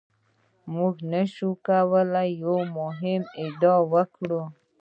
موږ نشو کولای یوه مهمه ادعا وکړو.